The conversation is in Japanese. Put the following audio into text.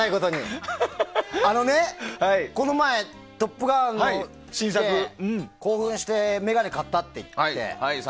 あのね、この前「トップガン」の新作見たら、興奮して眼鏡買ったって言って。